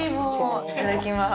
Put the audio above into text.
いただきます。